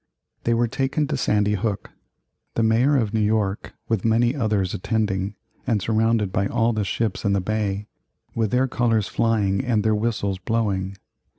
They were taken to Sandy Hook, the Mayor of New York, with many others, attending, and surrounded by all the ships in the bay, with their colors flying and their whistles blowing.